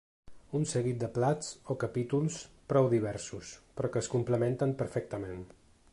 Un seguit de plats, o capítols, prou diversos, però que es complementen perfectament.